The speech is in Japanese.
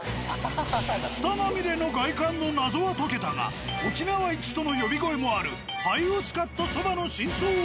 ツタまみれの外観の謎は解けたが沖縄一との呼び声もある灰を使ったそばの真相は？